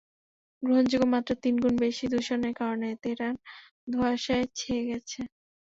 গ্রহণযোগ্য মাত্রার তিন গুণ বেশি দূষণের কারণে তেহরান ধোঁয়াশায় ছেয়ে গেছে।